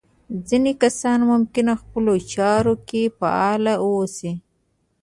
ځينې کسان ممکن خپلو چارو کې فعال واوسي.